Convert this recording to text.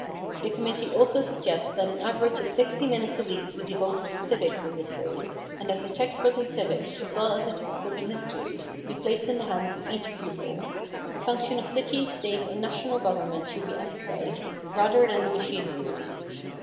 The committee also suggests that an average of sixty minutes a week be devoted to civics in this grade, and that a text book in civics, as well as a text book in history, be placed in the hands of each pupil. The function of city, State and national government should be emphasized, rather than the machinery of each.